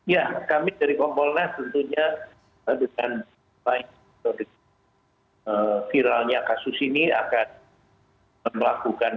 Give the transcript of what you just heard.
ya kami dari kompolnas tentunya dengan baik viralnya kasus ini akan melakukan